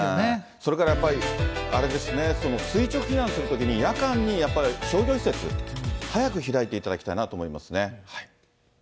それからやっぱりあれですね、垂直避難するときに夜間にやっぱり、商業施設、早く開いていただきたいなと思いますね。